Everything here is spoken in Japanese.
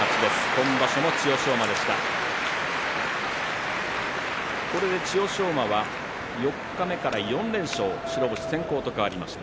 今場所も千代翔馬でした。